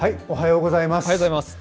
おはようございます。